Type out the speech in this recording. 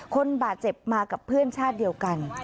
คนบาดเจ็บมากับเพื่อนชาติเดียวกัน